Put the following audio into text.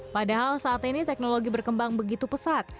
padahal saat ini teknologi berkembang begitu pesat